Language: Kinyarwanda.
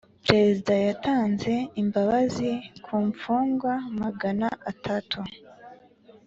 perezida yatanze imbabazi kumfungwa magana atatu